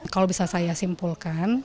kalau bisa saya simpulkan